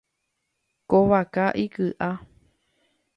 Ko vaka iky’a.